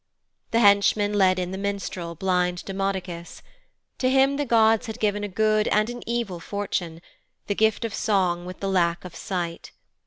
The henchman led in the minstrel, blind Demodocus. To him the gods had given a good and an evil fortune the gift of song with the lack of sight.